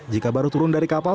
jika baru turun dari kapal